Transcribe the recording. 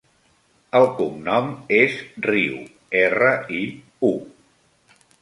El cognom és Riu: erra, i, u.